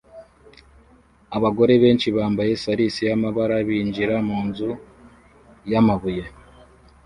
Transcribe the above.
Abagore benshi bambaye saris y'amabara binjira munzu yamabuye